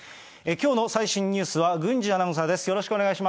きょうの最新ニュースは、郡司アナウンサーです。